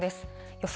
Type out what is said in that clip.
予想